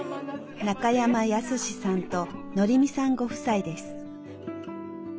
中山靖さんと則美さんご夫妻です。